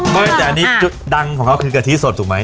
ไม่แต่อันนี้จุดดังของเขาคือกะทิสดถูกไหม